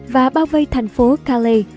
và bao vây thành phố calais